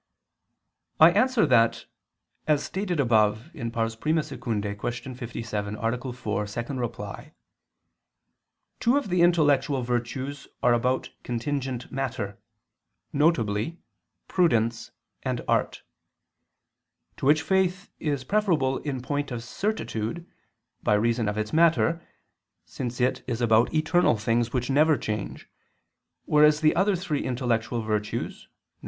I answer that, As stated above (I II, Q. 57, A. 4, ad 2) two of the intellectual virtues are about contingent matter, viz. prudence and art; to which faith is preferable in point of certitude, by reason of its matter, since it is about eternal things, which never change, whereas the other three intellectual virtues, viz.